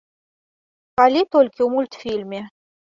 Калі толькі ў мультфільме.